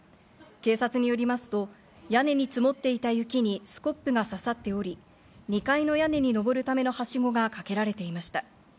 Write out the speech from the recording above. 警察によりますと、屋根に積もっていた雪にスコップが刺さっており、２階の屋根に上るためのはしごがかけられていました。